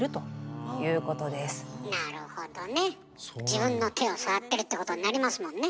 自分の手を触ってるってことになりますもんね。